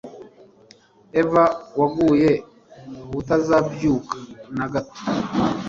Eva waguye ubutazabyuka na gato